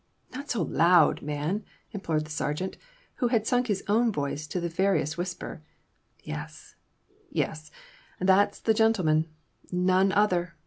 "Not so loud, man!" implored the sergeant, who had sunk his own voice to the veriest whisper. "Yes yes that's the gentleman. None other!